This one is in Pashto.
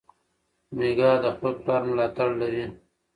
میکا د خپل پلار ملاتړ لري.